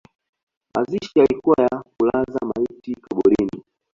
Mazishi yalikuwa ya kulaza maiti kaburini